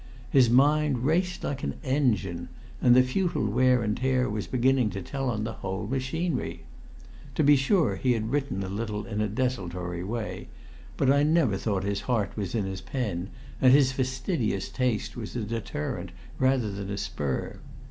His mind raced like an engine, and the futile wear and tear was beginning to tell on the whole machinery. To be sure, he had written a little in a desultory way, but I never thought his heart was in his pen, and his fastidious taste was a deterrent rather than a spur.